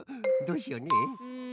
どうしようねえ。